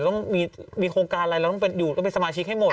ต้องมีโครงการอะไรเราต้องเป็นสมาชิกให้หมด